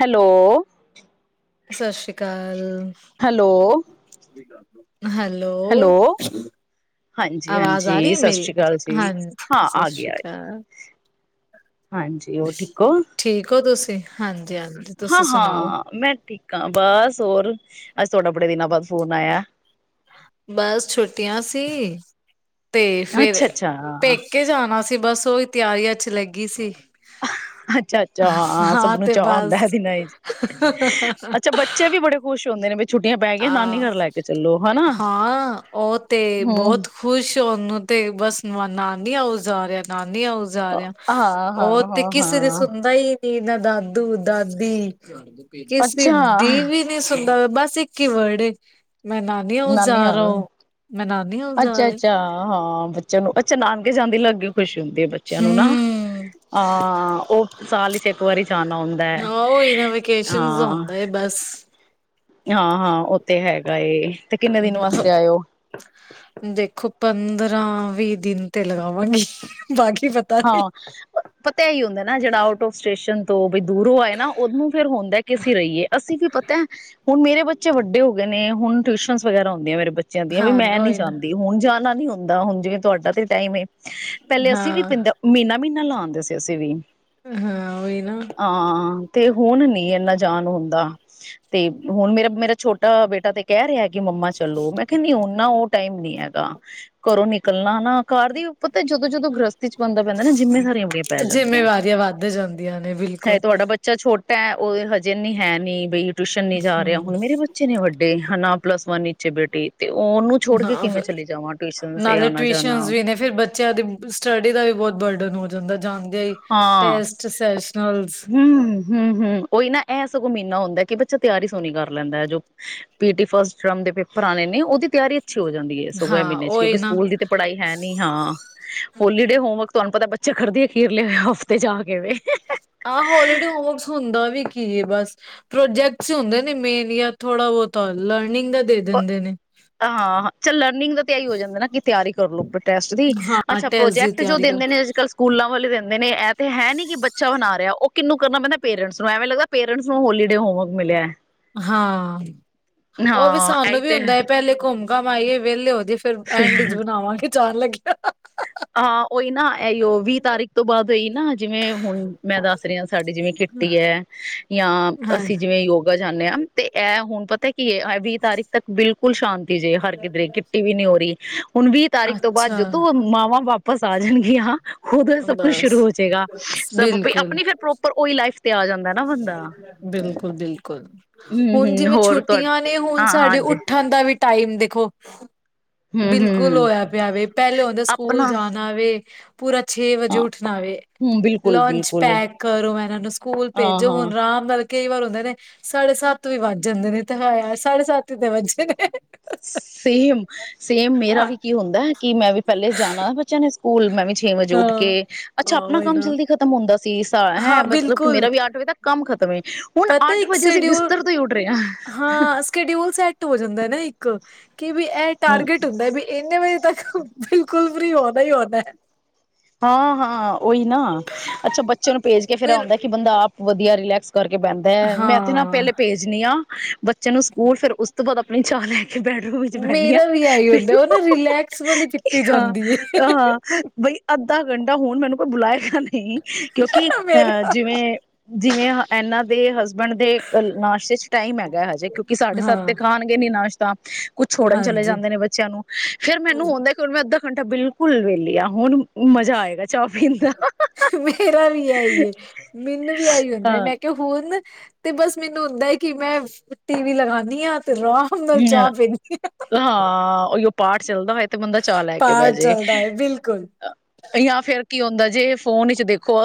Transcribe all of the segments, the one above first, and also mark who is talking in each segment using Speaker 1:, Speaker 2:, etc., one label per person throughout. Speaker 1: Hello
Speaker 2: Sat Sri ਅਕਾਲ।
Speaker 1: Hello,
Speaker 2: [inaudible] hello ਆਵਾਜ਼ ਆ
Speaker 1: ਹਾਂਜੀ-ਹਾਂਜੀ
Speaker 2: ਰਹੀ
Speaker 1: ਸਤਿ
Speaker 2: ਮੇਰੀ?
Speaker 1: ਸ੍ਰੀ ਅਕਾਲ ਜੀ
Speaker 2: ਹਾਂਜੀ,
Speaker 1: ਹਾਂ
Speaker 2: ਸਤਿ
Speaker 1: ਆ
Speaker 2: ਸ੍ਰੀ
Speaker 1: ਗਿਆ ਏ
Speaker 2: ਅਕਾਲ। ਠੀਕ ਹੋ ਤੁਸੀਂ ਹਾਂ
Speaker 1: ਹਾਂ-ਹਾਂ ਮੈਂ ਠੀਕ ਆ ਬਸ ਹੋਰ ਅੱਜ ਥੋੜਾ ਬੜੇ ਦਿਨਾਂ ਬਾਦ
Speaker 2: ਬਸ ਛੁੱਟੀਆਂ ਸ [inaudible] ਤੇ ਫੇਰ
Speaker 1: ਅੱਛਾ, ਅੱਛਾ,
Speaker 2: ਪੇਕੇ ਜਾਣਾ ਸੀ ਬਸ ਸੋ ਹੀ ਤਿਆਰੀਆਂ ਚ ਲੱਗੀ ਸੀ
Speaker 1: ਅੱਛਾ-ਅੱਛਾ ਹਾਂ ਸਭ ਨੂੰ
Speaker 2: ਤੇ
Speaker 1: ਚਾਅ ਹੁੰਂਦਾ
Speaker 2: ਬਸ
Speaker 1: ਕਿ ਅੱਛਾ ਬੱਚੇ ਵੀ ਬੜੇ ਖੁਸ਼ ਹੁੰਦੇ ਨੇ ਵੀ ਛੁੱਟੀਆਂ ਪੈ ਗਈਆਂ ਨਾਨੀ
Speaker 2: ਆ
Speaker 1: ਘਰ ਲੈ ਕੇ ਚੱਲੋ ਹਨਾ।
Speaker 2: ਹਾਂ ਉਹ ਤੇ
Speaker 1: ਹੂੰ
Speaker 2: ਬਹੁਤ ਖ਼ੁਸ਼ ਉਹਨੂੰ ਤੇ ਬਸ ਮਨਾ ਉਹ ਜਾ ਰਿਹਾ ਨਾਲ ਨੀ ਓ ਜਾਰਿਆ
Speaker 1: ਹਾਂ,
Speaker 2: ਉਹ
Speaker 1: ਹਾਂ,
Speaker 2: ਤੇ
Speaker 1: ਹਾਂ,
Speaker 2: ਕਿਸੇ ਦੀ
Speaker 1: ਹਾਂ
Speaker 2: ਸੁਣਦਾ ਹੀ ਨਾ ਦਾਦੂ ਦਾਦੀ ਕਿਸਦੀ
Speaker 1: ਅੱਛਾ
Speaker 2: ਦੀ ਵੀ ਨੀ ਬਸ ਕਿ ਵੱਡੇ
Speaker 1: ਨਾਨੀ ਹਾਊਸ ਅੱਛਾ- ਅੱਛਾ ਹਾਂ। ਬੱਚਿਆਂ ਨੂੰ ਅੱਛਾ ਨਾਨਕੇ ਜਾਂ, ਦਿਲ ਲੱਗ ਗਿਆ ਹਓ, ਖੁਸ਼ੀ ਹੁੰਦੀ ਆ, ਬੱਚਿਆਂ ਨੂੰ ਨਾ
Speaker 2: ਹੂੰ
Speaker 1: ਅਹ ਉਹ ਸਾਲ ਬੱਚੇ ਇੱਕ ਵਾਰੀ ਜਾਣਾ ਹੁੰਦਾ ਹੈ
Speaker 2: ਹਾਂ ਹਾਂ ਇਹਨਾਂ ਵੋਕੇਸ਼ਨ
Speaker 1: ਹਾਂ
Speaker 2: ਹੁੰਦਾ ਬਸ
Speaker 1: ਹਾਂ -ਹਾਂ ਉਹ ਤੇ ਹੈਗਾ ਏ ਤੇ ਕਿੰਨੇ ਦਿਨ
Speaker 2: ਹਮ,
Speaker 1: ਵਾਸਤੇ ਆਇਓ
Speaker 2: ਦੇਖੋ ਪੰਦਰਾਂ ਪੰਦਰਾਂ- ਵੀਹ ਤੇ ਲਗਾਵਾਂਗੇ, ਬਾਕੀ ਪਤਾ ਨੀ
Speaker 1: ਹਾਂ ਪਤਾ ਇ ਹੀ ਹੁੰਦਾ ਨਾ ਜਿਹੜਾ ਆਊਟ ਆਫ ਸਟੇਸ਼ਨ ਤੋਂ ਦੂਰੋਂਏ ਨਾ ਉਦਨੂੰ ਫੇਰ ਹੁੰਦਾ, ਕਿ ਅਸੀਂ ਰਹੀਏ ਅਸੀਂ ਵੀ ਪਤਾ ਹੈ ਹੁਣ ਮੇਰੇ ਬੱਚੇ ਵੱਡੇ ਹੋਏ ਨੇ ਹੁਣ ਟਿਊਸ਼ਨ ਵਗੈਰਾ ਹੁੰਂਦੀਆਂ, ਮੇਰੇ ਬੱਚਿਆਂ ਦੀਆਂ
Speaker 2: ਹਾਂ
Speaker 1: ਵੀ, ਮੈਂ ਨੀ
Speaker 2: ਉਹੀ ਨਾ
Speaker 1: ਜਾਂਦੀ, ਹੁਣ ਜਾਣਾ ਨੀ ਹੁੰਦਾ ਨਾ ਉੰਝ ਵੀ ਤੁਹਾਡਾ ਤੇ ਟਾਈਮ ਹੀ ਹੈ।
Speaker 2: ਹਾਂ।
Speaker 1: ਪੰਦਰਾਂ ਮਹੀਨਾ -ਮਹੀਨਾ ਪਹਿਲਾਂ ਆਉਂਦੇ ਹੁੰਦੇ ਸੀ ਅਸੀਂ
Speaker 2: ਹਾਂ ਉਹੀ ਨਾ
Speaker 1: ਹਾਂ ਤੇ ਹੁਣ ਨੀ, ਜੇ ਇੰਨਾ ਜਾਨ ਹੁੰਦਾ, ਤੇ ਹੁਣ ਮੇਰਾ ਮੇਰਾ ਛੋਟਾ ਬੇਟਾ ਤੇ ਕਹਿ ਰਿਹਾ। ਕਿ ਮੰਮਾ ਚਲੋ ਮੈਂ ਕਿਹਾ, ਨੀ ਹੁਣ ਨਾ ਉਹ ਟਾਈਮ ਨੀ ਹੈ। ਘਰੋਂ ਨਿਕਲਣਾ ਨਾ। ਘਰ ਦੀ ਉੱਪਰ ਤੇ ਜਦੋਂ ਜਦੋਂ ਗ੍ਰਸਤੀ। 'ਚ ਬੰਦਾ ਪੈਂਦਾ ਨਾ ਜਿੰਮੇਦਾਰੀਆਂ ਬੜੀਆਂ ਪੈ ਜਾਂਦੀਆਂ
Speaker 2: ਜਿੰਮੇਵਾਰੀਆਂ ਵੱਧ ਜਾਂਦੀਆਂ ਨੇ
Speaker 1: ਹੈ।
Speaker 2: ਬਿਲਕੁਲ
Speaker 1: ਤੁਹਾਡਾ ਬੱਚਾ ਛੋਟਾ ਪੈ ਉਹ ਹਜੇ ਨੀ ਹੈ, ਨੀ ਬਈ ਟਿਊਸ਼ਨ ਨੀ ਜਾ ਰਿਹਾ,
Speaker 2: ਹੂੰ
Speaker 1: ਹੁਣ ਮੇਰੇ ਬੱਚੇ ਨੇ ਵੱਡੇ ਡੇ ਹਾ ਨਾ ਪਲਸ ਵਨ ਵਿੱਚ ਆ ਬੇਟੀ, ਤੇ ਉਹਨੂੰ ਛੋੜ ਕੇ
Speaker 2: ਨਾ
Speaker 1: ਕਿਵੇਂ
Speaker 2: ਫਿਰ
Speaker 1: ਚਲੀ ਜਾਵਾਂ ਟਿਊਸ਼ਨ ਸੇ
Speaker 2: ਨਾਲੇ
Speaker 1: ਆਣਾ
Speaker 2: ਟਿਊਸ਼ਨ
Speaker 1: ਜਾਣਾ
Speaker 2: ਵੀ ਨੇ ਫੇਰ ਬੱਚਿਆਂ ਦੀ ਸਟੱਡੀ ਸਟੱਡੀ ਦਾ ਵੀ ਬਹੁਤ ਬਰਡਨ ਹੋ ਜਾਂਦਾ, ਜਾਂਦੇ ਹੀ
Speaker 1: ਹਾਂ
Speaker 2: ਟੈਸਟ ਸੈਸ਼ਨਲਸ
Speaker 1: ਹਮ, ਹਮ, ਹਮ ਓਹੀ ਨਾ ਇਹ ਸਗੋਂ ਮਹੀਨਾ ਹੁੰਦਾ ਹੈ, ਕਿ ਬੱਚਾ ਤਿਆਰੀ ਸੋਹਣੀ ਕਰ ਲੈਂਦਾ ਹੈ, ਜੋ ਪੀ ਟੀ ਫਸਟ ਟਰਮ ਦੇ ਪੇਪਰ ਆਉਣੇ ਨੇ ਉਹ ਦੀ ਤਿਆਰੀ ਅੱਛੀ ਹੋ ਜਾਂਦੀ ਹੈ, ਸਗੋ
Speaker 2: ਹਾਂ
Speaker 1: ਮਹੀਨੇ ਚ
Speaker 2: ਉਹੀ
Speaker 1: ਕਿਉਂਕਿ
Speaker 2: ਨਾ
Speaker 1: ਸਕੂਲ ਦੀ ਤਾਂ ਪੜ੍ਹਾਈ ਹੈ ਨੀ ਹਾਂ ਹੋਲੀ ਡੇ ਹੋਮਵਰਕ ਤੁਹਾਨੂੰ ਪਤਾ। ਚ ਖੜਦੇ, ਅਖੀਰਲੇ ਹਫਤੇ ਜਾ ਕੇ ਵਂ,
Speaker 2: ਆਹ ਹੋਲੀਡੇ ਹੋਮਸ ਹੁੰਦਾ ਵੀ ਕੀ ਹੈ, ਬਸ ਪ੍ਰੋਜੈਕਟਸ ਹੁੰਦੇ ਨੇ, ਮੇਨ ਜਾਂ ਥੋੜਾ ਬਹੁਤਾ ਲਰਨਿੰਗ ਦਾ ਦੇ ਦਿੰਦੇ ਨੇ,
Speaker 1: ਰਿੰਗ ਦਾ ਤਿਆਹੀ ਹੋ ਜਾਂਦਾ ਨਾ ਕਿ ਤਿਆਰੀ ਕਰਲੋ। ਪ੍ਰੋਜੈਕਟ ਦੀ
Speaker 2: ਹਾਂ
Speaker 1: ਅੱਛਾ
Speaker 2: ਟੈਸਟ ਦੀ
Speaker 1: ਪ੍ਰੋਜੈਕਟ ਜੋ
Speaker 2: ਤਿਆਰੀ ਕਰ
Speaker 1: ਦਿੰਦੇ ਨੇ ਅੱਜ ਕੱਲ੍ਹ ਸਕੂਲਾਂ ਵਾਲੇ ਦਿੰ ਨੇ- ਨੇ ਐਪ ਤੇ ਹੈ ਨੀ ਕਿ ਬੱਚਾ ਬਣਾ ਰਿਹਾ ਉਹ ਕਿੰਨੂੰ ਕਰਨਾ ਪੈਂਦਾ ਪੇਰੈਂਟਸ ਨੂੰ ਐਵੇਂ ਲੱਗਦਾ ਪੇਰੈਂਟ ਹੋਲੀਡੇ ਹੋਮਵਰਕ ਮਿਲਿਆ ਹੈ।
Speaker 2: ਹਾਂ ਉਹ ਵੀ
Speaker 1: ਹਾਂ
Speaker 2: ਸਾਨੂੰ
Speaker 1: ਇਹੀ
Speaker 2: ਵੀ
Speaker 1: ਤੇ
Speaker 2: ਹੁੰਦਾ ਹੈ। ਪਹਿਲੇ ਘੁੰਮ ਕਮ ਇਹ ਵੇਲਲੇ ਹੋ ਜੇ ਫੇਰ ਐਂਡ ਚ' ਬਣਾਵਾਂਗੇ ਜਾਣ ਲੱਗਿਆ
Speaker 1: ਹਾਂ ਉਹੀ ਨਾ ਇਹੀ ਉਹ ਵੀਹ ਤਾਰੀਕ ਤੋਂ ਬਾਅਦ ਨਾ ਜਿਵੇਂ ਹੁਣ ਮੈਂ ਦੱਸ ਰਹੀ ਹਾਂ ਸਾਡੀਕਿਟੀ ਹੈ। ਜਾਂ
Speaker 2: ਹਾਂ
Speaker 1: ਅਸੀਂ ਜਿਵੇਂ ਯੋਗਾ ਜਾਂਦੇ ਹਾਂ ਤੇ ਇਹ ਹੁਣ ਪਤਾ ਹੈ। ਵੀਹ ਤਾਰੀਖ ਤੱਕ ਬਿਲਕੁਲ ਕੁਲ ਸ਼ਾਂਤ- ਜੇ ਹਰ ਕਿਧਰੇ ਕਿੱਟੀ ਵੀ ਨਹੀਂੀ ਹੋ ਰਹੀ ਹ [inaudible] ਹੁਣ ਵੀਹ ਤਾਰੀਖ ਤੋਂ ਬਾਅਦ
Speaker 2: ਅੱਛਾ
Speaker 1: ਜਦੋਂ ਮਾਵਾਂ ਵਾਪਸ ਆ ਜਾਣਗੇ ਹ ਉਦੋਂ ਸਭ ਕੁਛ
Speaker 2: ਬਸ
Speaker 1: ਸ਼ੁਰੂ ਹੋ ਜਾਏਗਾ ਸਭ
Speaker 2: ਬਿਲਕੁਲ
Speaker 1: ਆਪਣੀ ਫਿਰ ਪ੍ਰੋਪਰ ਉਹੀ ਲਾਈਫ ਤੇ ਆ ਜਾਂਦਾ ਨਾ ਬੰਦਾ
Speaker 2: ਬਿਲਕੁਲ
Speaker 1: [unintelligible]
Speaker 2: ਬਿਲਕੁਲ
Speaker 1: ਹਮ
Speaker 2: ਹੁਣ
Speaker 1: ਹਮ
Speaker 2: ਜਿਵੇਂ
Speaker 1: ਹੋਰ ਤੁਹਾ
Speaker 2: ਛੂਟੀਆਂ ਨੇ ਹੁਣ
Speaker 1: ਹਾਂ
Speaker 2: ਸਾਡੇ
Speaker 1: ਹਾਂਜੀ
Speaker 2: ਉੱਠਣ ਦਾ ਵੀ ਟਾਈਮ ਦੇਖੋ- [unintelligible]
Speaker 1: ਹੂ- ਹੂ
Speaker 2: ਸਕੁਲ ਹੋਇਆ ਪਿਆ ਵ ਪਹਿਲੇ ਹੁੰਦਾ ਸਕੂਲ ਜਾਣਾ ਵ [unintelligible] ਹ [inaudible] ਪੂਰਾ ਛੇ ਵਜੇ
Speaker 1: ਹਾਂ
Speaker 2: ਉੱਠਣਾਵੇ
Speaker 1: ਹਮ ਬਿਲਕੁਲ
Speaker 2: ਲੰਚ
Speaker 1: ਬਿਲਕੁਲ
Speaker 2: ਪੈਕ ਕਰੋ ਮੈਂ ਇਹਨਾਂ ਨੂੰ ਸਕੂਲ
Speaker 1: ਹਾਂ
Speaker 2: ਭੇਜੋ
Speaker 1: ਹਾਂ
Speaker 2: ਹੁਣ ਆਰਾਮ ਨਾਲ ਕਈ ਵਾਰ ਹੁੰਦੇ ਨੇ ਸਾਡੇ ਸੱਤ ਵੀ ਵੱਜ ਜਾਂਦੇ ਨੇ ਤੇ ਸਾਡੇ ਸੱਤ ਹੀ ਤੇ ਵੱਜੇ ਨੇ
Speaker 1: ਸੇਮ ਸੇਮ ਮੇਰਾ
Speaker 2: ਹਾਂ
Speaker 1: ਵੀ ਕੀ ਹੁੰਦਾ ਹੈ। ਕਿ ਮੈਂ ਵੀ ਪਹਿਲੇ ਜਾਣਾ ਬੱਚਿਆਂ ਨੇ ਸਕੂਲ ਮੈਂ ਵੀ ਛੇ ਵਜੇ ਉੱਠ ਕੇ ਅੱਛਾ ਆਪਣਾ
Speaker 2: ਉਹੀ
Speaker 1: ਕੰਮ
Speaker 2: ਨਾ
Speaker 1: ਜਲਦੀ ਖ਼ਤਮ ਹੁੰਦਾ। ਹੈਂ।
Speaker 2: ਹਾਂ
Speaker 1: ਮਤਲਬ ਕਿ
Speaker 2: ਬਿਲਕੁਲ
Speaker 1: ਮੇਰਾ ਵੀ ਅੱਠ ਵਜੇ ਤੱਕ ਕੰਮ ਖ਼ਤਮ
Speaker 2: ਪਤਾ ਇੱਕ ਸ਼ਡਿਊਲ ਹਾਂ ਸਕਡਿਊਲ ਸੈਟ ਹੋ ਜਾਂਦਾ ਹੁੰਦਾ ਨਾ ਇੱਕ- ਕਿ ਵੀ ਇਹ
Speaker 1: ਹਮ
Speaker 2: ਟਾਰਗੇਟ ਹੁੰਦਾ ਵੀ ਇੰਨੇ ਵਜੇ ਤੱਕ ਬਿਲਕੁਲ ਫਰੀ ਹੋਦਾ ਹੀ ਹੋਦਾ [unintelligible]
Speaker 1: ਹਾਂ ਹਾਂ ਉਹੀ ਨਾ ਅੱਛਾ ਬੱਚੇ ਨੂੰ ਭੇਜ ਕੇ ਫਿਰਰ
Speaker 2: ਫਿਰ
Speaker 1: ਆਉਂਦਾ ਕਿ ਬੰਦਾ ਆਪ ਵਧੀਆ ਇੈਕਸ [unintelligible] ਕਰਕੇ ਬਹਿੰਦਾ ਹੈ ਮੈਂ ਇਥ ਨਾ
Speaker 2: ਹਾਂ
Speaker 1: ਪਹਿਲੇ ਭੇਜਨੀ ਹਾਂ ਬ [unintelligible] ਚੈਨੂੰ ਸਕੂਲ ਫੇਰ ਉਸ ਤੋਂ ਬਾਅਦ ਆਪਣੀ ਚੋਲੇਟ [unintelligible] ਬੈਡਰੂਮ ਵਿੱਚ ਬਹਦੀ ਹਾਂ
Speaker 2: ਮੇਰਾ ਵੀ ਇਹੀ ਹੁੰਦਾ ਉਹ ਨਾ
Speaker 1: ਮਨ
Speaker 2: ਰਿਲੈਕਸ ਵਾਲੀ ਕੀਤੀ ਜਾਂਦੀ ਏ।
Speaker 1: ਹਾਂ ਹਾਂ ਬਈ [unintelligible] ਅੱਧਾ ਘੰਟਾ ਹੋਣ ਮੈਨੂੰ ਕੋਈ ਬੁਲਾਇ [unintelligible] ਨਹੀਂ ਕਿਉਂਕਿ ਅਹ
Speaker 2: ਮੇਰਾ
Speaker 1: ਜਿਵੇਂ ਜਿਵੇਂ ਇਹਨਾਂ ਦੇ ਬਣਦੇ ਨਾਸ਼ਤੇ ਚ ਟਾਈਮ ਹੈਗਾ ਹਜੇ ਕਿਉਂਕਿ ਸਾਡੇ ਸੱਤ
Speaker 2: ਹਾਂ
Speaker 1: ਤੇ ਖਾਣਗੇ ਨੀ ਨਾਸ਼ਤੇ [unintelligible] ਕੁਛ ਛੋੜਨ ਚਲੇ
Speaker 2: ਹਾਂਜੀ
Speaker 1: ਜਾਂਦੇ ਨੇ ਬੱਚਿਆਂ ਨੂੰ, ਫਿਰ ਮੈਨੂੰ ਆਉਦਾ ਕਿ ਮੈਂ ਅੱਧ ਘੰਟਾ ਬਿਲਕੁਲ ਵਹਲੀ ਆ, ਹੁਣ। ਮਜ਼ਾ ਆਏਗਾ ਚਾਹ ਪੀਣ ਦਾ
Speaker 2: ਮੇਰਾ ਵੀ ਆਹੀ ਏ, ਮੈਨੂੰ ਵੀ ਆਹੀ ਹੁੰਦਾ,
Speaker 1: ਹਾਂ
Speaker 2: ਮੈਂ ਕਿਹਾ ਹੋੁਣ ਤੇ ਬਸ ਮੈਨੂੰ ਹੁੰਦਾ ਹੈ, ਕਿ ਮੈਂ, ਟੀ ਵੀ ਲਗਾਨੀ ਹਾਂ। ਆਰਾਮ ਨਾਲ ਚਾਹ ਪੀਨੀ ਆ।
Speaker 1: ਹਾਂ ਉਹੀਓ ਪਾਠ ਚੱਲਦਾ ਹੋਇ ਤੇ ਬੰਦਾ ਚਾਅ ਲੈ ਕੇ, ਬਹਿ
Speaker 2: ਪਾਠ
Speaker 1: ਜੇ
Speaker 2: ਚੱਲਦਾ ਏ ਬਿਲਕੁਲ।
Speaker 1: ਯਾ ਫੇਰ ਕੀ ਹੁੰਦਾ ਜੇ। ਫੋਨ ਵਿਚ ਦੇਖੋ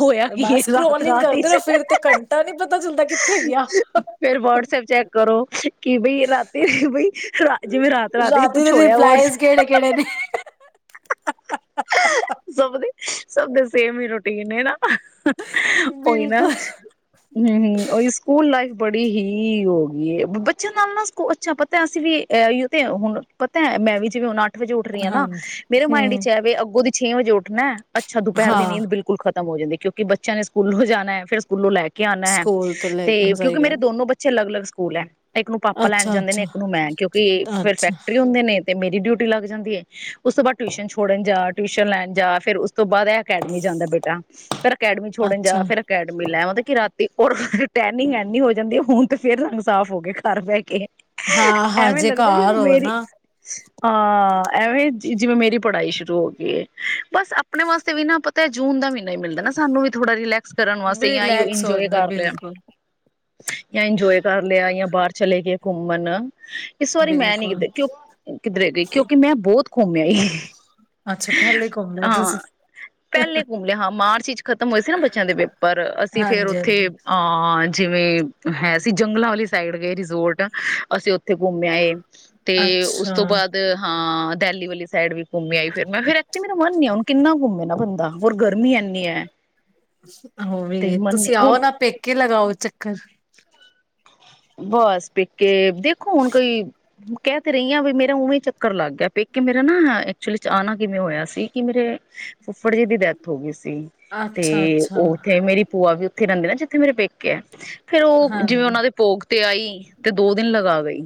Speaker 1: ਹੋਇਆ ਕੀ ਏ,
Speaker 2: ਬਸ ਸਕਰੋਲਿੰਗ
Speaker 1: ਰਾਤ-ਰਾਤ
Speaker 2: ਕਰਦੇ
Speaker 1: ਵਿਚ
Speaker 2: ਰਹੋ ਫਿਰ ਤੇ ਘੰਟਾ ਨੀ ਪਤਾ ਚੱਲਦਾ ਕਿੱਥੇ ਗਿਆ।
Speaker 1: ਫੇਰ ਵਾਟਸਐਪ ਚੈਕ ਕਰੋ ਕਿ, ਬਈ ਰਾਤੀ ਬਈ ਰਾ ਜਿਵੇਂ ਰਾਤ-ਰਾਤ
Speaker 2: ਰਾਤੀ ਦੇ
Speaker 1: ਕੁਛ ਹੋਇਆ, ਵ
Speaker 2: ਰਿਪਲਾਈਜ਼ ਕਿਹੜੇ-ਕਿਹੜੇ ਨੇ।
Speaker 1: ਸਭ ਦੇ ਸਭ ਦੱਸ ਸੇਮ ਹੀ ਰੋਟੀ ਕਿਹਨੇ ਨਾ। ਉਹੀ ਨਾ ਹੰ,
Speaker 2: ਬਿਲਕੁਲ
Speaker 1: ਹੰ, ਉਹੀ ਸਕੂਲ ਲਾਈਫ ਬੜੀ ਹੀ ਹੋ ਗਈ ਏ, ਬੱਚਿਆਂ ਨਾਲ ਨਾ ਅੱਛਾ, ਪਤਾ ਅਸੀਂ ਵੀ ਤੇ, ਹੁਣ ਪਤੈ ਹੈ, ਮੈਂ ਵੀ ਜਿਵੇਂ ਹੁ ਵਜੇ ਉੱਠ ਰਹੀਆਂ ਨਾ, ਮੇਰੇ
Speaker 2: ਹਾਂਜੀ
Speaker 1: ਮਾਇੰਡ
Speaker 2: ਹੂੰ
Speaker 1: ਚ ਹੈ ਵੀ ਅੱਗੋਂ ਦੀ ਛੇ ਵਜੇ ਉੱਠਣੈ ਅੱਛਾ, ਦੁਪਹਿਰ ਦੀ
Speaker 2: ਹਾਂ
Speaker 1: ਨੀਂਦ ਬਿਲਕੁਲ, ਖਤ ਖਤਮ ਹੋ ਜਾਂਦੀ, ਕਿਉਂਕਿ ਬੱਚਿਆਂ ਨੇ ਸਕੂਲੋ ਜਾਣਾ, ਫਿਰ ਸਕੂਲੋ ਲੈ, ਕੇ ਉਣਾ ਐ,
Speaker 2: ਸਕੂਲ ਤੋਂ ਲੈ
Speaker 1: ਤੇ ਕਿਉਂਕਿ
Speaker 2: ਸਹੀ ਗੱਲ
Speaker 1: ਮੇਰੇ ਦੋਨੋ ਬੱਚੇ ਅਲੱਗ- ਅਲੱਗ ਸਕੂਲ ਐ, ਇੱਕ ਨੂੰ ਪਲੈਨ ਜਾਂਦੇ ਨੇ
Speaker 2: ਅੱਛਾ-ਅੱਛਾ,
Speaker 1: ਇੱਕ ਨੂੰ ਮੈਂ, ਕਿਉਂਕਿ ਫੇਰ ਸੈਕਟਰੀ ਹੁੰਦੇ ਨੇ। ਤੇ, ਮੇਰੀ ਡਿਊਟੀ ਲੱਗ ਜਾਂਦੀ ਏ। ਤੋਂ ਬਾਅਦ, ਇਹ ਅਕੈਡਮੀ ਜਾਂਦਾ ਬੇਟਾ, ਫਿਰ ਅਕੈਡਮੀ ਛੋੜਨ ਜਾ,
Speaker 2: ਅੱਛਾ-ਅੱਛਾ,
Speaker 1: ਫਿਰ ਅਕੈਡਮੀ ਲੈ ਆਓ, ਰ ਰਾਤੀ ਔਰ ਟੈਨਿੰਗ ਐੰਨੀ ਹੋ ਜਾਂਦੀ, ਹੁਣ ਤੇ ਫੇਰ ਰੰਗ ਸਾਫ਼ ਹੋ ਗਏ, ਘਰ ਬਹਿ ਕੇ।
Speaker 2: ਹਾਂ
Speaker 1: ਐਵੇਂ
Speaker 2: ਹਜੇ
Speaker 1: ਲੱਗਦਾ ਜਿਵੇਂ
Speaker 2: ਘਰ ਹੋ
Speaker 1: ਮੇਰੀ,
Speaker 2: ਨਾ
Speaker 1: ਹਾਂ। ਐਵੇਂ ਜਿਵੇਂ ਮੇਰੀ ਪੜ੍ਹਾਈ ਸ਼ੁਰੂ ਹੋ ਗਈ ਏ, ਬਸ, ਆਪਣੇ ਵਾਸਤੇ ਵੀ ਨਾ ਪਤੈ ਜੂਨ ਦਾ ਮਹੀਨਾ ਹੀ ਮਿਲਦਾ ਨਾ, ਸਾਨੂੰ ਵੀ ਥੋੜਾ ਰਿਲੈਕਸ ਕਰਨ ਵਾਸਤੇ ਯਾ
Speaker 2: ਰਿਲੈਕਸ ਹੋ
Speaker 1: ਇੰਜੋਏ
Speaker 2: ਜਾਂਦਾ
Speaker 1: ਕਰ ਲਿਆ
Speaker 2: ਬਿਲਕੁਲ,
Speaker 1: ਯਾ ਇੰਜੋਏ ਕਰ ਲਿਆ, ਯਾਂ ਬਾਹਰ ਚਲੇ ਗਏ। ਘੁੰਮਨ ਇਸ ਵਾਰੀ ਮੈਂ ਨਹੀਂ
Speaker 2: ਬਿਲਕੁਲ
Speaker 1: ਕਿੱਧਰੇ ਕਿਉਂ ਕਿਧਰੇ ਗਈ ਕਿਉਂਕਿ ਮੈਂ, ਬਹੁਤ ਘੁੰਮੀਆਈ।
Speaker 2: ਅੱਛਾ ਪਹਿਲੇ ਘੁੰਮ ਲਿਆ ਤੁਸੀਂ
Speaker 1: ਹਾਂ, ਪਹਿਲੇ ਘੁੰਮ ਲਿਆ ਹਾਂ, ਮਾਰਚ ਵਿਚ ਖਤਮ ਹੋਏ ਸੀ ਨਾ ਬੱਚਿਆਂ ਦੇ ਪੇਪਰ ਅਸੀਂ ਫੇਰ ਉੱਥੇ
Speaker 2: ਹਾਂਜੀ-ਹਾਂਜੀ,
Speaker 1: ਅ ਜਿਵੇਂ ਹੈ, ਅਸੀਂ ਜੰਗਲਾਂ ਵਾਲੀ ਸਾਈਡ ਗਏ ਸੀ, ਜੋਰਡਨ। ਅਸੀਂ ਔਚ ਤੇ ਘੁਮਯਾਏ ਤੇ, ਉਸ
Speaker 2: ਅੱਛਾ
Speaker 1: ਤੋਂ ਬਾਅਦ ਹਾਂ ਦਿਲੀ ਵਾਲੀ ਸਾਈਡ ਵੀ ਘੁੰਮ ਅ ਵਖਰੇ ਤੀਮਤ ਮੰਨ ਨਹੀਂ ਐ ਕਿੰਨਾ ਘੁੰਮੇ ਗਾ ਬੰਦਾ ਗਰਮੀ ਇੰਨੀ ਹੈ
Speaker 2: ਉਹ
Speaker 1: ਤੇ
Speaker 2: ਵੀ
Speaker 1: ਮਨ ਨੀ
Speaker 2: ਤੁਸੀਂ
Speaker 1: ਹੁਣ
Speaker 2: ਆਓ ਨਾ ਪੇਕੇ ਲਗਾਓ ਚੱਕਰ ਤਾਂ ਕੀ
Speaker 1: ਬਸ ਪੇਕੇ ਦੇਖੋ ਕਹਿ ਤੇ ਰਹੀ ਹਾਂ ਵੀ ਮੇਰਾ ਉਵੇਂ ਚੱਕਰ ਲੱਗ ਗਿਆ ਪੇਕੇ ਮੇਰਾ ਨਾ ਤੇਹੀਸ ਇਹ ਮੇਰੇ
Speaker 2: ਅੱਛਾ-ਅੱਛਾ,
Speaker 1: ਬੱਚੇ ਜਿਵੇਂ
Speaker 2: ਹਾਂਜੀ
Speaker 1: ਉਹਨਾ ਦੇ ਭੋਗ ਤੇ ਆਈ ਤੇ ਦੋ ਦਿਨ ਲਗਾ ਗਈ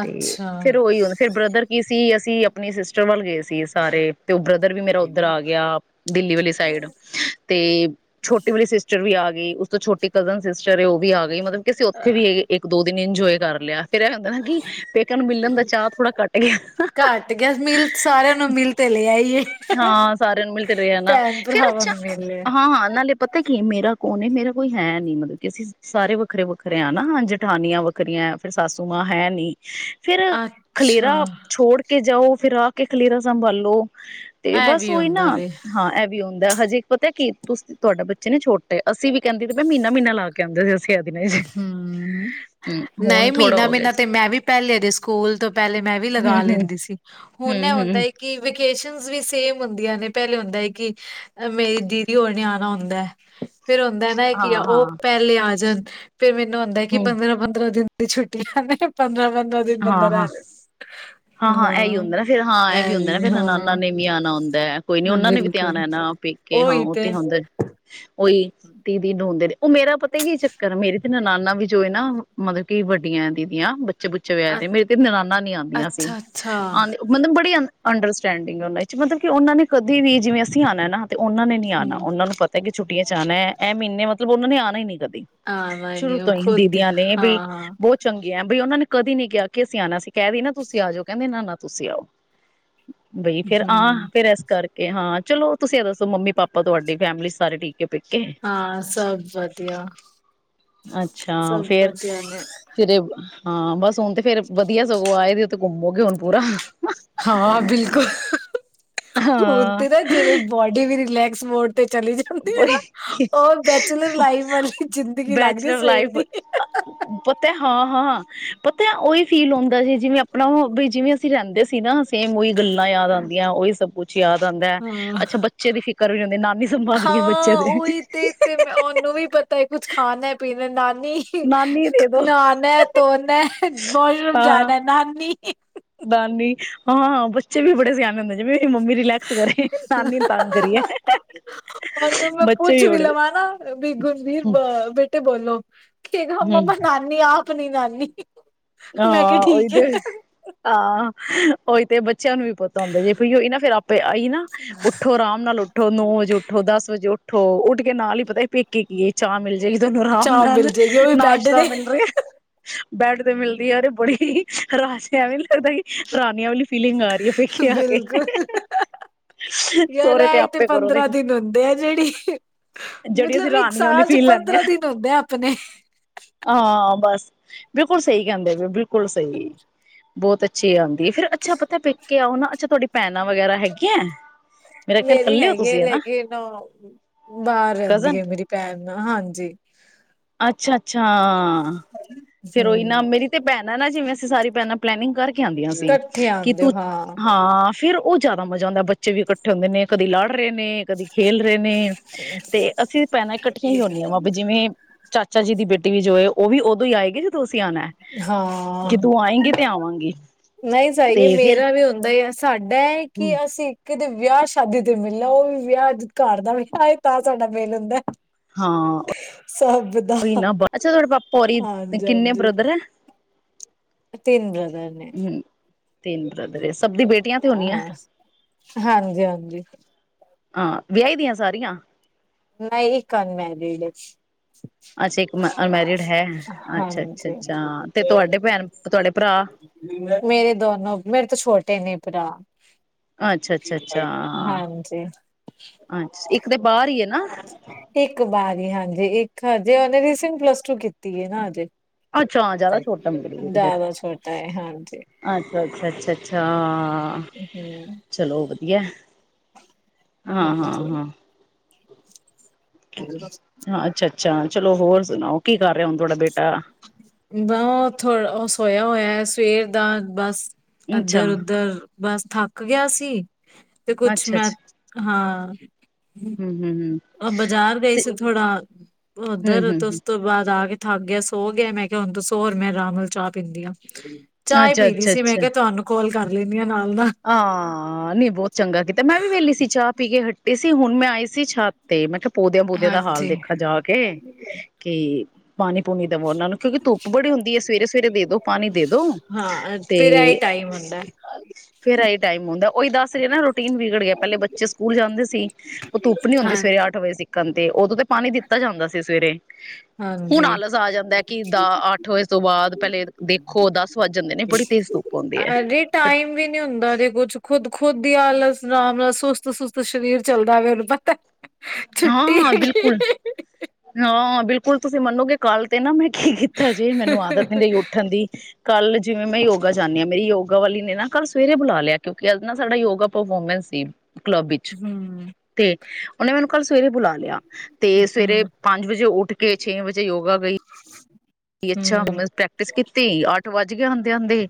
Speaker 1: ਤੇ
Speaker 2: ਅੱਛਾ
Speaker 1: ਫੇਰ ਉਹੀ ਵਾਲਾ ਫਿਰ ਬ੍ਰਦਰ ਕੀ ਅਸੀ ਅਸੀਂ ਆਪਣੇ ਸਿਸਟਰ ਵੱਲ ਗਏ ਸੀ ਸੀ ਸਾਰੇ ਤੋ ਉਹ ਬ੍ਰਦਰ ਵੀ ਮੇਰਾ ਉਧਰ ਆ ਗਿਆ ਦਿੱਲੀ ਵਾਲੀ ਸਾਈਡ ਤੇ ਛੋਟੀ ਵਾਲੇ ਸਿਸਟਰ ਵੀ ਆ ਤੇ ਉਸ ਤੋਂ ਛੋਟੀ ਕਜ਼ਨ ਸਿਸਟਰ ਉਹ ਵੀ ਆ ਗਈ ਮਗਰ ਕੇਸੇ ਹੋ
Speaker 2: ਅਹ, ਘੱਟ ਗਿਆ ਮਿਲ ਸਾਰਿਆਂ ਨੂੰ ਮਿਲ ਤੇ
Speaker 1: ਹਾਂ ਸਾਰਿਆਂ ਨੂੰ ਮਿਲਦੇ ਰਹੇ ਨਾ
Speaker 2: ਭੈਣ
Speaker 1: ਫੇਿਰ
Speaker 2: ਭਰਾਵਾਂ
Speaker 1: ਅੱਛਾ
Speaker 2: ਨੂੰ ਮਿਲ ਲਿਆ
Speaker 1: ਹਾਂ ਹਾਂ ਨਾਲੇ ਪੱਤਾ ਕਿ ਮੇਰਾ ਕੌਣ ਮੇਰਾ ਕੋਈ ਹੈ ਨੀ ਮਤਲਬ ਕਿ ਅਸੀਂ ਸਾਰੇ ਵੱਖਰੇ ਵੱਖਰੇ ਆ ਨਾ ਜਠਾਨੀਆਂ ਵੱਖਰੀਆਂ ਫੇਿਰ ਸਸ ਫੇਿਰ
Speaker 2: ਅੱਛਾ,
Speaker 1: ਖਲੇਰਾ ਛੋੜ ਕੇ ਜਾਓ ਫੇਿਰ ਆ ਕੇ ਖਲੇਰਾ ਸੰਭਾਲੋ ਤੇ
Speaker 2: ਇਹ
Speaker 1: ਬਸ
Speaker 2: ਵੀ
Speaker 1: ਉਹੀ ਨਾ
Speaker 2: ਹੁੰਦਾ ਵੇ
Speaker 1: ਹਾਂ ਇਹ ਵੀ ਹੁੰਦਾ ਹਜੇ ਪਤਾ ਕੀ ਤੁਸੀਂ ਤੁਹਾਡਾ ਬੱਚੇ ਨੇ ਛੋਟੇ ਆ ਅਸੀਂ ਕਹਿੰਦੇ ਮਹੀਨਾਹੀਨਾ ਲਾ ਕੇ ਕਹਿੰਦੇ
Speaker 2: ਹਮ
Speaker 1: ਹੁਣ
Speaker 2: ਨਹੀਂ
Speaker 1: ਥੋੜਾ
Speaker 2: ਮਹੀਨਾ
Speaker 1: ਹੋ ਗਿਆ
Speaker 2: ਮਹੀਨਾ ਤੇ ਮੈਂ ਵੀ ਪਹਿਲੇ ਦੇ ਸਕੂਲ ਤੋਂ ਪਹਿਲੇ ਮੈਂ ਵੀ ਲਗਾ
Speaker 1: ਹਮ
Speaker 2: ਲੈਂਦੀ ਸੀ ਹੁਣ
Speaker 1: ਹਮ
Speaker 2: ਹੁੰਦਾ
Speaker 1: ਹਮ ਹਮ
Speaker 2: ਕਿ ਵੀ ਸੇਮ ਹੁੰਦੀਆਂ ਨੇ ਪਹਿਲੇ ਹੁੰਦਾ ਹੈ ਕਿ ਮੇਰੀ ਦੀਦੀ ਹੋਰ ਨੇ ਆਉਣਾ ਹੁੰਦਾ ਫੇਿਰ ਹੁੰਦਾ ਨਾ
Speaker 1: ਹਾਂ
Speaker 2: ਕੀ ਆ ਉਹ
Speaker 1: ਹਾਂ
Speaker 2: ਪਹਿਲੇ ਆ ਜਾਣ ਫੇਿਰ ਮੈਨੂੰ ਆਉਂਦਾ ਕਿ
Speaker 1: ਹਮ
Speaker 2: ਪੰਦਰਾਂ ਪੰਦਰਾਂ ਦਿਨ ਤੇ ਛੁੱਟੀਆਂ ਨੇ ਪੰਦਰਾਂ ਬਨ
Speaker 1: ਹਾਂ ਹਾਂ ਹਾਂ ਹਾਂ ਇਹੀ ਹੁੰਦਾ ਨਾ ਫਿਰ ਹਾਂ ਇਹ ਵੀ
Speaker 2: ਐ
Speaker 1: ਹੁੰਦਾ ਨਾ ਫਨਾਂ
Speaker 2: ਹਾਂ,
Speaker 1: ਨੇ ਵੀ ਆਣਾ ਹੁੰਦਾ ਕੋਈ ਨੀ ਉਹਨਾਂ ਨੇ ਵੀ ਤੇ
Speaker 2: ਬਿਲਕੁਲ।
Speaker 1: ਆਉਣਾ ਨਾ ਪੀ ਕੇ ਹਾਂ ਉਹ ਤੇ ਹੁੰਦਾ ਉਹੀ ਤੀਦੀ ਨੂੰ ਹੁੰਦੇ ਨੇ ਉਹ ਮੇਰਾ ਪਤਾ ਤੇ ਕੀ ਚੱਕਰ ਮੇਰੇ ਨ ਨਾਨਾ ਵੀ ਜੋ ਹੈ ਨਾ ਮਤਲਬ ਕਿ ਵੱਡੀਆਂ ਦੀਦੀਆਂ ਬੱਚੇੱਚੇ ਵਿ
Speaker 2: ਅ
Speaker 1: ਤੇ ਮੇਰੇ ਤੇ ਨਨਾਣ ਨੀ ਆਉਂਦੀਆਂ ਸੀ
Speaker 2: ਅੱਛਾ-ਅੱਛਾ।
Speaker 1: ਆ ਮਤਲਬ ਬੜੀ ਅੰਡਰਸਟੈਂਡਿੰਗ ਉਹ ਚ ਮਤਲਬ ਕਿ ਉਹਨਾਂ ਨੇ ਕਦੇ ਵੀ ਜਿਵੇਂ ਅਸੀਂ ਆਉਣਾ ਨਾ ਤੇ ਉਹਨਾਂ ਨੇ ਨੀ ਆਉਣਾ
Speaker 2: ਹੂੰ।
Speaker 1: ਉਹਨਾਂ ਨੂੰ ਪਤਾ ਕਿ ਛੁੱਟ ਚ ਆਉਣਾ ਹੈ ਇਹ ਮਹੀਨੇ ਮਤਲਬ ਉਹਨਾਂ ਨੇ ਆਉਣਾ ਹੀ ਨਿਕਲ
Speaker 2: ਹਾਂ, ਮੈਂ
Speaker 1: ਸ਼ੁਰੂ
Speaker 2: ਨੀ ਉਹ
Speaker 1: ਤੋਂ ਹੀ
Speaker 2: ਖੁਦ
Speaker 1: ਦੀਦੀਆਂ ਨੇ ਵੀ
Speaker 2: ਹਾਂ-ਹਾਂ।
Speaker 1: ਬਹੁਤ ਚੰਗਾ ਬਈ ਉਹਨਾਂ ਨੇ ਕਦੀ ਨਹੀਂੀ ਗਿਆ ਕਿ ਅਸੀ ਆਉਣਾ ਸੀ ਕਹਿ ਦ ਨਾ ਤੁਸੀਂ ਆ ਜਾਓ ਕਹਿੰਦੇ ਇਹ ਤੁਸੀਂ ਆਓ ਬਈ ਫੇਰ
Speaker 2: ਹੂੰ। ਹਾਂ,
Speaker 1: ਆਹ
Speaker 2: ਹਮ,
Speaker 1: ਫੇਿਰ ਇਸ ਕਰਕੇ ਇਹ ਹਾਂ ਚਲੋ ਤੁਸੀਂ ਇਹ ਦੱਸੋ ਮੰਮੀ ਪਾਪਾ ਤੁਹਾਡੀ ਫੈਮਿਲੀ ਸਾਰੇ ਠੀਕੇ
Speaker 2: ਹਾਂ ਸਭ ਵਧੀਆ
Speaker 1: ਅੱਛਾ
Speaker 2: ਸਭ
Speaker 1: ਫੇਰ
Speaker 2: ਵਧੀਆ ਨੇ
Speaker 1: ਕਿਤੇ ਹਾਂ ਬਸ ਸੋਣ ਤੇ ਫੇਰ ਵਧੀਆ ਸਗੋਂ ਆਏ ਤੇ ਉਥ ਘੁੰਮੋਗੇ ਹੁਣ ਪੂਰਾ
Speaker 2: ਹ
Speaker 1: ਹਾਂ
Speaker 2: ਤੇ ਨਾ ਜਵੇ ਬੜ ਰਿਲੈਕਸ ਮੋਡ ਤੇ ਚਲੀ ਜਾਂਦੀ ਹੈ ਨਾ। ਉਹ ਬੈਚਲਰ ਲਾਈਫ ਵਾਲੀ ਜ਼ਿੰਦਗੀ ਲੱਗ ਰਹੀ
Speaker 1: ਬੈਚਲਰ
Speaker 2: ਸਵੇਰ
Speaker 1: ਲਾਈਫ
Speaker 2: ਦੀ।
Speaker 1: ਪਤ ਹਾਂ ਹਾਂ ਪਤ ਉਹੀ ਫੀਲ ਹੁੰਦਾ ਜੀ। ਜਿਵੇਂ ਆਪਣਾ ਉਹ ਵੀ, ਜਿਵੇਂ ਅਸੀਂ ਰਹਿੰਦੇ ਸੀ ਨਾ ਸੇਮ ਉਹੀ ਗੱਲਾਂ ਯਾਦ ਆਉਂਦੀਆਂ, ਉਹੀ ਸਭ ਕੁਛ ਯਾਦ ਆਉਂਦਾ ਹੈ
Speaker 2: ਹਾਂ।
Speaker 1: ਅੱਛਾ ਬੱਚੇ ਦੀ ਫਿਕਰ ਵੀ ਹੁੰਦੀ, ਨਾਨੀ ਸੰਭਾਲ
Speaker 2: ਹਾਂ ਉਹੀ ਤੇ ਤੇ ਉਹਨੂੰ ਵੀ ਪਤਾ ਹੈ, ਕੁੱਝ ਖਾਣਾ ਪੀਣਾ ਦੇ ਨਾਲ਼। ਨਹੀਂ
Speaker 1: ਨਾਨੀ ਦੇ ਦੋ
Speaker 2: ਨਾ ਨਾ ਧੋਣਾ ਵਾਸ਼ਰੂਮ
Speaker 1: ਹਾਂ
Speaker 2: ਜਾਣਾ, ਨਾਨੀ ਇੱਕ।
Speaker 1: ਨਾਨੀ, ਹਾਂ ਬੱਚੇ ਵੀ ਬੜੇ ਸਿਆਣੇ ਹੁੰਦੇ, ਜਿਵੇਂ ਮੰਮੀ ਰਿਲੈਕਸ ਕਰੇ, ਨਾਨੀ ਨੂੰ ਤੰਗ ਕਰੀਏ, ਬੱਚੇ ਵੀ ਬੜੇ
Speaker 2: ਗੁਰਲੀਨ
Speaker 1: ਹਮ
Speaker 2: ਬੇਟੇ ਬੋਲੋ। ਕਹਿੰਦਾ
Speaker 1: ਹਮ
Speaker 2: ਮੰਮੀ ਨਾਨੀ ਆਪ ਓਹ ਨਈ ਨਾਨੀ ਮੈਂ ਕਿਹਾ
Speaker 1: ਹਾਂ
Speaker 2: ਠੀਕ ਹੈ।
Speaker 1: ਉਹਦੇ ਹਾਂ ਉਹੀ ਤੇ ਬਚ ਬੱਚਿਆਂ ਨੂੰ ਵੀ ਪਤਾ ਹੁੰਦਾ, ਜੇ ਪਈ ਉਹ ਇਹਨਾਂ ਸਿਰ ਆਪੇ ਆਈ ਨਾ, ਉੱਠੋ ਆਰਾਮ ਨਾਲ ਉੱਠੋ ਨੌ ਵਜੇ ਉੱਠੋ, ਦਸ ਵਜੇ ਉੱਠ। ਹੋਰ ਉੱਠ ਕਿ ਨਾਲ ਹੀ ਪਤਾ, ਪੇਕੇ ਕੀ ਹੈ? ਚਾਹ ਮਿਲ ਜਾਏਗੀ ਤੁਹਾਨੂੰ ਆਰਾਮ
Speaker 2: ਚਾਹ ਮਿਲ
Speaker 1: ਨਾਲ,
Speaker 2: ਜਾਏਗੀ ਉਹ ਵੀ ਬੈਡ
Speaker 1: ਨਾਸ਼ਤਾ
Speaker 2: ਦੇ
Speaker 1: ਮਿਲ ਰਿਹਾ। ਬੈਡ ਮਿਲਦੀ ਹੈ ਤੇ ਬੜੀ, ਹਰਾਸ਼ ਜਾਂ ਐਵੇਂ ਨੀ ਲੱਗਦਾ, ਕਿ ਰਾਣੀਆਂ ਵਾਲੀ ਫੀਲ
Speaker 2: ਬਿਲਕੁਲ ਯਾਰ
Speaker 1: ਸਹੁਰੇ ਤੇ
Speaker 2: ਇਥੇ
Speaker 1: ਆਪੇ ਕਰੋ ਦੇ
Speaker 2: ਪੰਦਰਾਂ ਦਿਨ ਹੁੰਦੇ ਆ, ਜਿਹੜੀ
Speaker 1: ਜਿਹੜੀ ਅਸੀਂ
Speaker 2: ਮਤਲਬ ਇੱਕ
Speaker 1: ਰਾਣੀਆਂ ਵਾਲੀ
Speaker 2: ਸਾਲ ਚ
Speaker 1: ਫੀਲ ਲੈਂਦੇ
Speaker 2: ਪੰਦਰਾਂ ਦਿਨ ਹੁੰਦੇ ਆ ਆਪਣੇ।
Speaker 1: ਬਿਲਕੁੱਲ ਸਹੀ ਕਹਿੰਦੇ ਪਏ ਬਿੱਲ ਕੁੱਲ ਸਹੀ। ਬਹੁਤ ਅੱਛੀ ਆਉਂਦੀ ਏ, ਫ਼ਿਰ ਅੱਛਾ ਪੇਕੇ ਆਓ ਨਾ, ਅੱਛਾ ਤੁਹਾਡੀ ਭੈਣਾਂ ਵਗੈਰਾ ਹੈਗੀਆਂ ਮੇਰਾ ਖਿਆਲ
Speaker 2: ਮੇਰੀ
Speaker 1: ਕੱਲੇ ਹੋ
Speaker 2: ਹੈਗੀ ਆ,
Speaker 1: ਤੁਸੀਂ ਹਨਾ
Speaker 2: ਲੇਕਿਨ ਨਾ ਬਾਹਰ ਰਹਿੰਦੀ
Speaker 1: ਕਜ਼ਨ
Speaker 2: ਹੈ ਮੇਰੀ ਭੈਣ ਹਾਂਜੀ
Speaker 1: ਫਿਰ ਓਹ ਹੀ ਨਾ
Speaker 2: ਹਮ
Speaker 1: ਮੇਰੀ ਤੇ ਭੈਣ ਨਾ ਜੀ, ਜਿਵੇਂ ਅਸੀਂ ਸਾਰੀ ਭੈਣਾਂ ਪਲੈਨਿੰਗ ਕਰਕੇ ਆਉਂਦੀਆਂ ਸੀ
Speaker 2: ਇਕੱਠੇ
Speaker 1: ਕਿ
Speaker 2: ਆਉਂਦੇ
Speaker 1: ਤੂੰ,
Speaker 2: ਹੋ ਹਾਂ
Speaker 1: ਹਾਂ ਫ਼ਿਰ ਉਹ ਜ਼ਿਆਦਾ ਮਜ਼ਾ ਆਉਂਦਾ, ਬੱਚੇ ਵੀ ਇਕੱਠੇ ਹੁੰਦੇ ਨੇ, ਕਦੀ ਲਾੜ ਪੜ੍ਹ ਰਹੇ ਨੇ, ਕਦੇ ਖੇਲ ਰਹੇ ਨੇ, ਤੇ ਅਸੀਂ ਭੈਣਾਂ ਇਕੱਠੀਆਂ ਹੀ ਆਉਣੀਆਂ ਵਾ, ਵੀ ਜਿਵੇਂ ਚਾਚਾ ਜੀ ਦੀ ਬੇਟ ਵੀ ਜੋ ਹੈ ਉਹ ਵੀ ਉਦੋਂ ਹੀ ਆਏਗੀ ਜਦੋਂ ਅਸੀਂ ਆਣਾ
Speaker 2: ਹਾਂ
Speaker 1: ਜਦੋ ਆਏਂਗੀ ਤੇ ਆਵਾਂਗੀ
Speaker 2: ਨਹੀਂ ਸਹੀ
Speaker 1: ਤੇ
Speaker 2: ਏ,
Speaker 1: ਫੇਰ
Speaker 2: ਮੇਰਾ ਵੀ ਹੁੰਦਾ ਹੀ ਹੈ ਸਾਡੇ ਮੈਂ ਕਿਹਾ ਅਸੀਂ ਕਿਤੇ ਵਿਆਹ ਸ਼ਾਦੀ ਤੇ ਮਿਲਣਾ ਉਹ ਵੀ ਵਿਆਹੱ ਘਰ ਦਾ ਵਿਆਹ ਤਾਂ ਸਾਡਾ ਮੇਲ ਹੁੰਦਾ
Speaker 1: ਹਾਂ
Speaker 2: ਸਭ ਦਾ
Speaker 1: ਤੁਹਾਡੇ ਪਾਪਾ ਹੋਰੀ
Speaker 2: ਹਾਂਜੀ
Speaker 1: ਕਿੰਨੇ
Speaker 2: ਹਾਂਜੀ
Speaker 1: ਬ੍ਰਦਰ ਹੈ
Speaker 2: ਤਿੰਨ [inaudible]
Speaker 1: ਹਮ [inaudible] ਤੇ ਹੁੰਦੀਆਂ
Speaker 2: ਹਾਂ ਹਾਂਜੀ ਹਾਂਜੀ
Speaker 1: ਹਾਂ ਵਿਆਹੀ ਦੀਆਂ ਸਾਰੀਆਂ
Speaker 2: ਨਹੀਂ ਇੱਕ ਅਨਮੈਰੀਿਡ ਹੈ
Speaker 1: ਅੱਛਾ ਇੱਕ ਅਨਮੈਰਿਡ ਹੈ ਅੱਛਾ ਅੱਛਾ
Speaker 2: ਹਾਂਜੀ
Speaker 1: ਅੱਛਾ ਤੇ ਤੁਹਾਡੇ ਭੈਣ ਤੁਹਾਡੇ ਭਰਾ
Speaker 2: ਮੇਰੇ ਦੋਨੋ ਮੇਰੇ ਤੋਂ ਛੋਟੇ ਨੇ [inaudible]
Speaker 1: ਅੱਛਾ ਅੱਛਾ ਅੱਛਾ
Speaker 2: ਹਾਂਜੀ
Speaker 1: ਅੱਛਾ ਇੱਕ ਤਾਂ ਬਾਹਰ ਹੀ ਹੈ ਨਾ
Speaker 2: ਇੱਕ ਵਾਰੀ ਹੀ ਹਾਂਜੀ ਇੱਕ ਹਜੇ ਉਹਨੇ ਰੀਸੈਂਟ ਪਲੱਸ ਟੂ ਕੀਤੀ ਹੈ ਨਾ ਹਜੇ
Speaker 1: ਅੱਛਾ ਜਿਆਦਾ ਛੋਟਾ ਮਗਲੂ ਤੇ ਫਿਰ
Speaker 2: ਜ਼ਿਆਦਾ ਛੋਟਾ ਹੈ ਹਾਂਜੀ
Speaker 1: ਅਛ ਅੱਛਾ ਅੱਛਾ ਅੱਛਾ
Speaker 2: ਹਮ
Speaker 1: ਚਲੋ ਗਿਆ ਹਾਂ ਹਾਂ ਹਾਂ
Speaker 2: ਹੋ
Speaker 1: ਹਾਂ ਅੱਛਾ ਅੱਛਾ ਚਲੋ ਹੋਰ ਸੁਣਾਓ ਕੀ ਗ
Speaker 2: ਬਥੋ ਉਹ ਸੋਇਆ ਹੋਇਆ ਸਵੇਰ ਦਾ ਬਸ
Speaker 1: ਅੱਛਾ
Speaker 2: ਇੱਧਰ ਉਧਰ ਬਸ ਥੱਕ ਗਿਆ ਸੀ ਤੇ ਕੁਛ
Speaker 1: ਅੱਛਾ
Speaker 2: ਮੈਂ
Speaker 1: ਅੱਛਾ
Speaker 2: ਹਾਂ
Speaker 1: ਹਮ ਹਮ ਹਮ
Speaker 2: ਉਹ ਬਾਜ਼ਾਰ ਗਈ
Speaker 1: ਤੇ
Speaker 2: ਸੀ ਥੋੜਾ
Speaker 1: ਹਮ
Speaker 2: ਉੱਧਰ
Speaker 1: ਹਮ
Speaker 2: ਤੇ ਉਸ ਤੋਂ ਬਾਅਦ ਆ ਕੇ ਥੱਕ ਗਿਆ ਸੋ ਗਿਆ ਮੈਂ ਕਿਹਾ ਹੁਣ ਤੂੰ ਸੋ ਹੋਰ ਮੈਂ ਆਰਾਮ ਨਾਲ ਚਾਹ ਪੀਂਦੀਾਂ
Speaker 1: ਹਮ
Speaker 2: ਚਾਹ ਈ
Speaker 1: ਅੱਛਾ
Speaker 2: ਪੀਣੀ
Speaker 1: ਅੱਛਾ
Speaker 2: ਸੀ ਮੈਂ
Speaker 1: ਅੱਛਾ
Speaker 2: ਕਿਹਾ ਤੁਹਾਨੂੰ ਕੋਲ ਕਰ ਲੈਂਦੀ ਆ ਨਾਲ ਨਾਲ।
Speaker 1: ਹਾਂ ਨਹੀਂ ਬਹੁਤ ਚੰਗਾ ਕੀਤਾ ਮੈਂ ਵੀ ਵਿਹਲੀ ਸੀ ਚਾਹ ਪੀ ਕੇ ਹ ਤੇ ਸੀ ਹੁਣ ਮੈਂ ਆਈ ਸੀ ਛਤ ਤੇ ਮਤਲਬ ਪੌਦਿਆਂ ਪੂਦਿਆਂ ਦਾ ਹਾਲ
Speaker 2: ਹਾਂਜੀ।
Speaker 1: ਦੇਖਾ ਜਾ ਕੇ ਕੀ ਪਾਣੀ ਪੂਣੀ ਦੇਵੋ ਉਹਨਾਂ ਨੂੰ ਕਿਉਂਕਿ ਧੁੱਪ ਬੜੀ ਹੁੰਦੀ ਏ। ਸਵੇਰੇ ਸਵੇਰੇ ਦੇ ਦੋ ਪਾਣੀ ਦੇ ਦੋ
Speaker 2: ਹਾਂ ਫਿਰ ਇਹੀ
Speaker 1: ਤੇ-
Speaker 2: ਟਾਈਮ ਹੁੰਦਾ
Speaker 1: ਫੇਰ ਇਹੀ ਟਾਈਮ ਉਂਦਾ। ਉਹੀ ਦਸ ਹ [inaudible] ਰੁਟੀਨ ਵਿਗੜ ਗਿਆ। ਪਹਿਲੇ ਬੱਚੇ ਸਕੂਲ ਜਾਂਦੇ ਸੀ। ਉਹ ਧੁੱਪ ਨੀ ਉਂਦੀ
Speaker 2: ਹਾਂ।
Speaker 1: ਸਵੇਰੇ ਅੱਠ ਵਜੇ ਦੀ। ਕੰਮ ਤੇ ਉਦੋਂ ਤਾਂ ਪਾਣੀ ਦਿੱਤਾ ਜਾਂਦਾ ਸੀ ਸਵੇਰੇ। ਹੁਣ
Speaker 2: ਹਾਂਜੀ।
Speaker 1: ਆਲਸ ਆ ਜਾਂਦਾ ਏ ਕਿ ਦਾ ਅੱਠ ਵਜੇ ਤੋਂ ਬਾਅਦ ਪਹਿਲੇ ਦੇਖੋ ਦਸ ਵੱਜ ਜਾਂਦੇ ਨੇ ਬੜੀ ਤੇਜ਼ ਧੂਪ ਉਂਦੀ ਐ। ਫ
Speaker 2: ਕੁਛ ਖੁਦ ਖੁਦ ਦੀ ਆਲਸ ਰਾਮ ਨਾਲ ਸੁ- ਸੁ ਸੁਸਤ ਸਰੀਰ ਚੱਲਦਾ ਰਵੇ - ਵਕ
Speaker 1: ਹਾਂ ਹਾਂ ਬਿਲਕੁਲ। ਹਾਂ, ਬਿਲਕੁਲ ਤੁਸੀਂ ਮੰਨੋਗੇ ਕੱਲ ਤੇ ਨਾ ਮੈਂ- ਕੀ ਕੀਤਾ ਜੇ ਮੈਨੂੰ ਆਦਤ ਨਹੀਂ ਰਈ ਉੱਠਣ ਦੀ। ਕੱਲ ਜਿਵੇਂ ਮੈਂ ਯੋਗਾ ਜਾਂਦੀ ਆਭ ਮੇਰੀ ਯੋਗਾ ਵਾਲੀ- ਨੇ ਨਾ ਕਲ ਸਵੇਰੇ ਬੁਲਾ ਲਿਆ, ਕਿਉਂਕਿ ਅਜ ਨਾ ਸਾਡਾ ਯੋਗਾ ਪਰਫੋਰਮੈਂਸ ਸੀ ਕਲੱਬ ਵਿੱਚ-
Speaker 2: ਹੂੰ
Speaker 1: ਤੇ ਉਹਨਾ ਮੈਨੂੰ ਕੱਲ ਸਵੇਰੇ ਬੁਲਾ ਲਿਆ। ਤੇ ਸਵੇਰੇ
Speaker 2: ਹੂੰ
Speaker 1: ਜੇ ਉੱਠ ਕੇ ਛੇ ਵਜੇ ਯੋਗਾ ਗਈ- ਅੱਛਾ
Speaker 2: ਹੂੰ
Speaker 1: ਪ੍ਰੈਕਟਿਸ ਕੀਤੀ ਅੱਠ ਵੱਜ- ਏ ਹੁੰਦੇ ਹੁੰਦੇ।